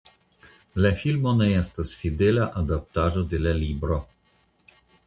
La filmo ne estas fidela adaptaĵo de la libro.